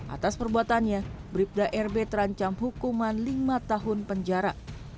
atas perbuatannya bribda rb terancam hukuman lima tahun penjara